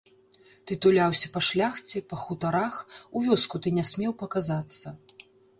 Ты туляўся па шляхце, па хутарах, у вёску ты не смеў паказацца.